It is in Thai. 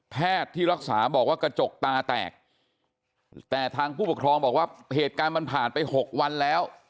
ที่รักษาบอกว่ากระจกตาแตกแต่ทางผู้ปกครองบอกว่าเหตุการณ์มันผ่านไป๖วันแล้ว